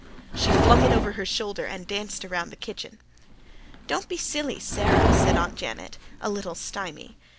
She flung it over her shoulder and danced around the kitchen. "Don't be silly, Sara," said Aunt Janet, a little stimy.